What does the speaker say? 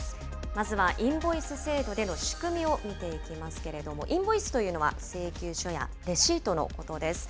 まずはインボイス制度での仕組みを見ていきますけれども、インボイスというのは、請求書やレシートのことです。